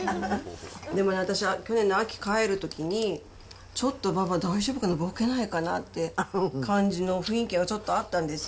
でも私は、去年の秋、帰るときに、ちょっとババ、大丈夫かな、ぼけないかなって感じの雰囲気がちょっとあったんです。